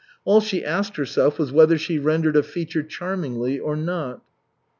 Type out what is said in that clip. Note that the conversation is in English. All she asked herself was whether she rendered a feature "charmingly" or not.